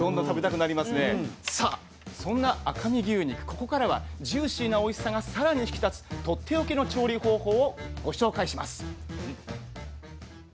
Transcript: ここからはジューシーなおいしさがさらに引き立つとっておきの調理方法をご紹介します。